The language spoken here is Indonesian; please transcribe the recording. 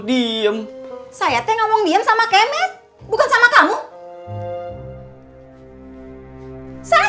dia adalah a center